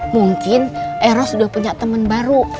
mungkin eros udah punya temen baru